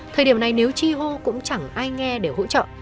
thời điểm này nếu chi hô cũng chẳng ai nghe để hỗ trợ